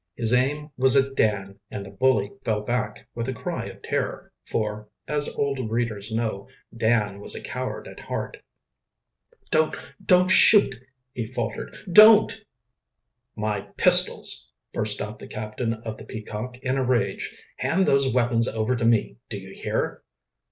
His aim was at Dan, and the bully fell back with a cry of terror, for, as old readers know, Dan was a coward at heart. "Don't don't shoot!" he faltered. "Don't!" "My pistols!" burst out the captain of the Peacock, in a rage. "Hand those weapons over to me, do you hear?"